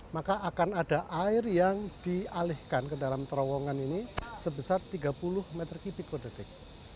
maka akan ada air yang dialihkan ke dalam terowongan ini sebesar tiga puluh m tiga per detik